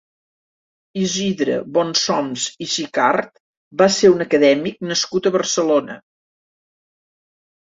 Isidre Bonsoms i Sicart va ser un acadèmic nascut a Barcelona.